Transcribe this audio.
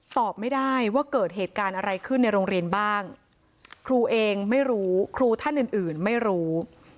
ตอบไม่ได้ว่าเกิดเหตุการณ์อะไรขึ้นในโรงเรียนบ้างครูเองไม่รู้ครูท่านอื่นไม่รู้